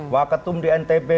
pak ketum di ntb